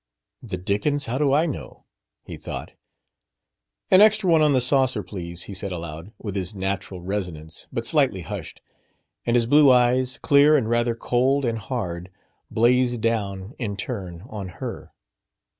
"The dickens! How do I know?" he thought. "An extra one on the saucer, please," he said aloud, with his natural resonance but slightly hushed. And his blue eyes, clear and rather cold and hard, blazed down, in turn, on her.